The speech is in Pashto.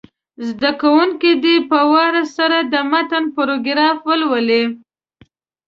زده کوونکي دې په وار سره د متن پاراګراف ولولي.